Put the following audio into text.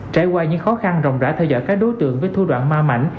trải qua những khó khăn rộng rãi theo dõi các đối tượng với thu đoạn ma mảnh